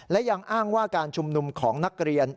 และยังอ้างว่าการชุมนุมของนักเรียน